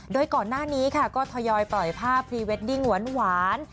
โดยก่อนหน้านี้ค่ะก็ทยอยปล่อยภาพพรีเวดดิ้งหวาน